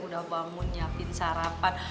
udah bangun nyiapin sarapan